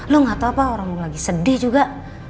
lo gak tau apa orang lo lagi sedih juga